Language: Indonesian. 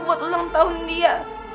buat ulang tahun dia